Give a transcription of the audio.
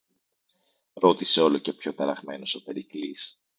ρώτησε όλο και πιο ταραγμένος ο Περικλής.